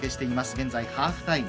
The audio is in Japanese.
現在ハーフタイム。